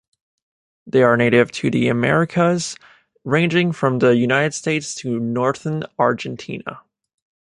They are native to the Americas, ranging from the United States to northern Argentina.